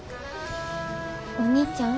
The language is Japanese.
お兄ちゃん？